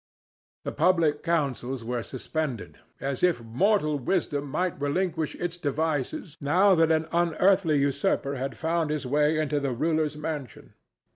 The public councils were suspended, as if mortal wisdom might relinquish its devices now that an unearthly usurper had found his way into the ruler's mansion.